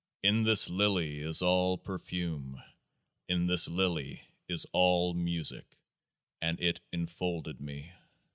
In this Lily is all perfume ; in this Lily is all music. And it enfolded me."